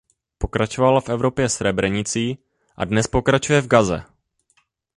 Pokračovala v Evropě Srebrenicí a dnes pokračuje v Gaze!